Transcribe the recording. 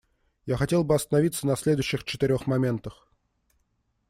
Я хотел бы остановиться на следующих четырех моментах.